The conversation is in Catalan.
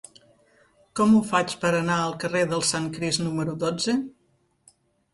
Com ho faig per anar al carrer del Sant Crist número dotze?